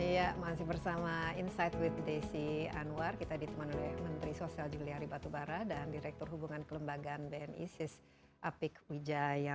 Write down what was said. iya masih bersama insight with desi anwar kita ditemani oleh menteri sosial juliari batubara dan direktur hubungan kelembagaan bni sis apik wijaya